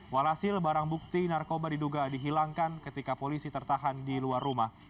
walasil barang bukti narkoba diduga dihilangkan ketika polisi tertahan di luar rumah